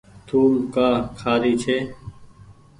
ٿوم ڪآ کآري ڇي۔